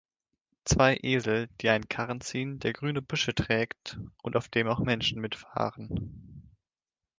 Zwei Esel, die einen Karren ziehen, der grüne Büsche trägt und auf dem auch Menschen mitfahren.